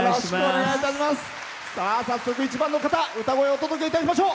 早速、１番の方歌声をお届けいたしましょう。